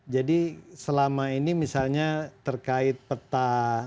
jadi selama ini misalnya terkait peta